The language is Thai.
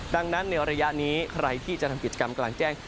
ดังนั้นในระยะนี้ใครที่จะทำกิจกรรมกลางแจ้ง